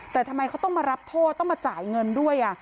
แต่ทำไมเขาต้องมารับโทษต้องมาจ่ายเงินด้วย